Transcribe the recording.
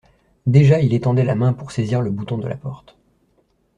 Déjà il étendait la main pour saisir le bouton de la porte.